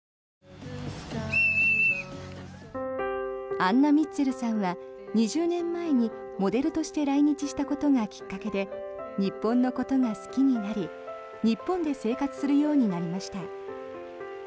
アンナ・ミッツェルさんは２０年前にモデルとして来日したことがきっかけで日本のことが好きになり日本で生活するようになりました。